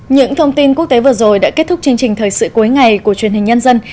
những thông tin quốc tế vừa rồi đã kết thúc chương trình thời sự cuối ngày của truyền hình nhân dân